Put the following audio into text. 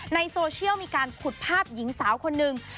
ในโซเชียลมีการขุดภาพหญิงสาวคนหนึ่ง